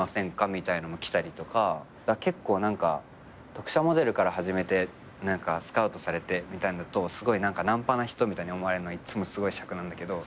みたいのも来たりとか結構何か読者モデルから始めて何かスカウトされてみたいのとすごい何か軟派な人みたいに思われるのがいっつもすごいしゃくなんだけど。